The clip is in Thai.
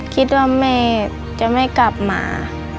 คิดว่าแม่จะไม่กลับมา